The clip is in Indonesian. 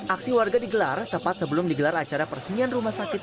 aksi warga digelar tepat sebelum digelar acara peresmian rumah sakit